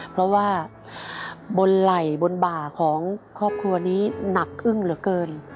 เพราะว่าบนไหล่บนบ่าของครอบครัวนี้หนักอึ้งเหลือเกิน